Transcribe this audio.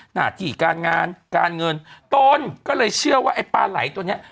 หน้าที่การงานการเงินตนก็เลยเชื่อว่าไอ้ปลาไหล่ตัวเนี้ย